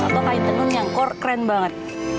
atau kain tenun yang core keren banget